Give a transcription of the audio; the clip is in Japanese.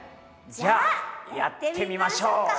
じゃあやってみましょうか！